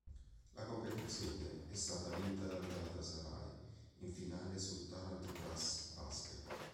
La competizione è stata vinta dal Galatasaray, in finale sul Taranto Cras Basket.